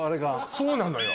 そうなのよ。